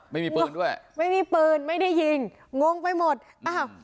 ไม่มีปืนด้วยไม่มีปืนไม่ได้ยิงงงไปหมดอ้าว